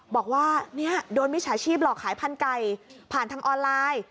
บอกว่าเนี่ยโดนมิจฉาชีพหลอกขายพันธุ์ไก่ผ่านทางออนไลน์